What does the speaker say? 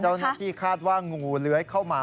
เจ้าหน้าที่คาดว่างูเลื้อยเข้ามา